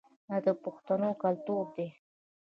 دا د پښتنو کلتور دی.